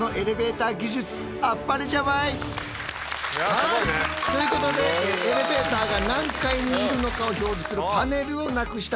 すごいね。ということでエレベーターが何階にいるのかを表示するパネルをなくした。